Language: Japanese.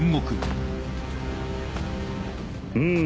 うん。